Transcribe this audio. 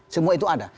semua itu ada